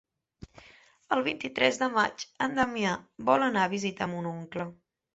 El vint-i-tres de maig en Damià vol anar a visitar mon oncle.